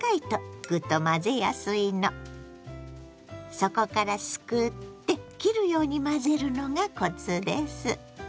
底からすくって切るように混ぜるのがコツです。